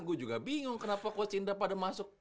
gue juga bingung kenapa coach indra pada masuk